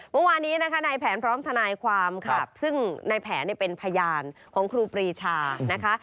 เมื่อวานนี้นะคะในแผนพร้อมทนายความค่ะซึ่งในแผนเป็นพยานของครูปรีชานะคะ